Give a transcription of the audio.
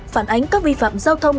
phản ánh các vi phạm giao thông